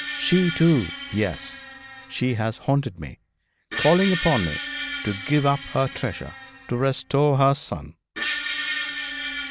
She too yes, she has haunted me, calling upon me to give up her treasure, to restore her son.'